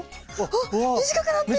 あっ短くなってる！